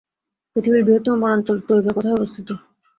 পৃথিবীর বৃহত্তম বনাঞ্চল তৈগা কোথায় অবস্থিত?